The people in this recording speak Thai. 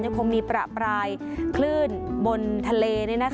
จะมีปลาปลายคลื่นบนทะเล